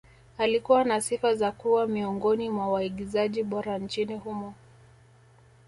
Alikuwa na sifa za kuwa miongoni mwa waigizaji bora nchini humo